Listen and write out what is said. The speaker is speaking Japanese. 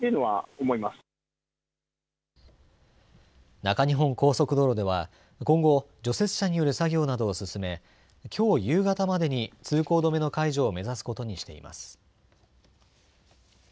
中日本高速道路では今後除雪車による作業などを進めきょう夕方までに通行止めの解除を目指すことにしています。